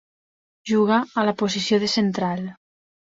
Juga a la posició de central.